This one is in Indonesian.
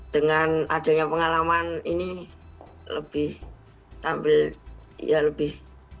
dengan adanya pengalaman ini lebih tampil ya lebih